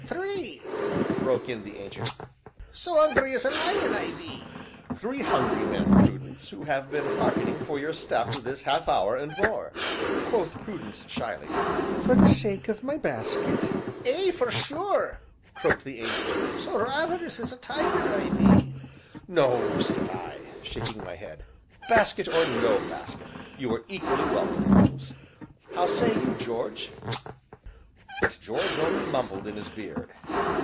"Three!" broke in the Ancient; "so 'ungry as a lion, I be!" "Three hungry men, Prudence, who have been hearkening for your step this half hour and more." Quoth Prudence shyly: "For the sake of my basket?" "Ay, for sure!" croaked the Ancient; "so ravenous as a tiger I be!" "No," said I, shaking my head, "basket or no basket, you are equally welcome, Prudence how say you, George?" But George only mumbled in his beard.